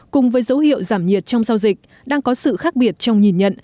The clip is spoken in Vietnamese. cùng với dấu hiệu giảm nhiệt trong giao dịch đang có sự khác biệt trong nhìn nhận